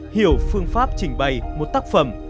hiểu phương pháp trình bày một tác phẩm